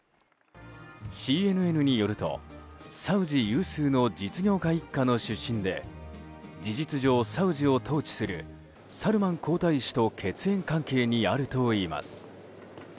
ＣＮＮによるとサウジ有数の実業家一家の出身で事実上、サウジを統治するサルマン皇太子と血縁関係にあるといいます。